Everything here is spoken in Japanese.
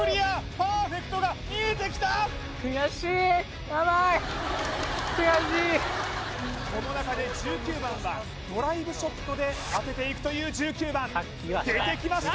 パーフェクトが見えてきたその中で１９番はドライブショットで当てていくという１９番出てきました